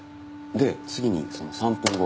で次にその３分後。